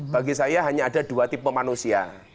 bagi saya hanya ada dua tipe manusia